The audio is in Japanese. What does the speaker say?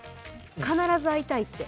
必ず会いたいって。